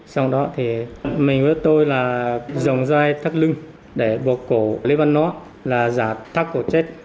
xong đó thì mình với tôi là dòng dây thắt lưng để bộ cổ lý văn nó là giả thắt cổ chết